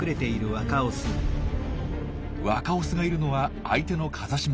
若オスがいるのは相手の風下。